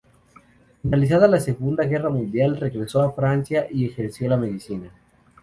Finalizada la Segunda Guerra Mundial regresó a Francia y ejerció la medicina.